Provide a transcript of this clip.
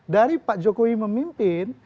dari pak jokowi memimpin